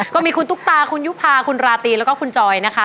ก็มีคุณตุ๊กตาคุณยุภาคุณราตรีแล้วก็คุณจอยนะคะ